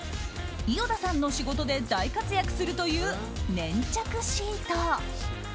伊與田さんの仕事で大活躍するという粘着シート。